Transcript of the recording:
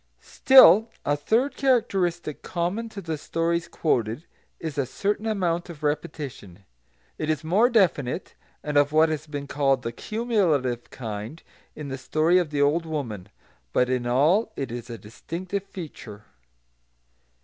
Still a third characteristic common to the stories quoted is a certain amount of repetition. It is more definite, and of what has been called the "cumulative" kind, in the story of the old woman; but in all it is a distinctive feature.